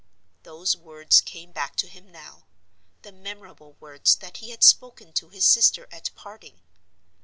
Those words came back to him now—the memorable words that he had spoken to his sister at parting.